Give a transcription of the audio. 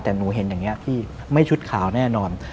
แต่หนูเห็นอย่างนี้พี่ไม่ชุดขาวแน่นอน